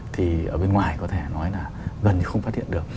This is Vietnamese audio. thì ở bên ngoài có thể nói là gần như không phát hiện được